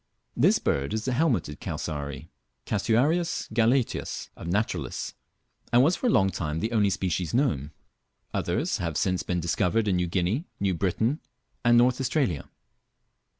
This bird is the helmeted cassowary (Casuarius galeatus) of naturalists, and was for a long time the only species known. Others have since been discovered in New Guinea, New Britain, and North Australia.